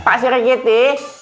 pak sri kiti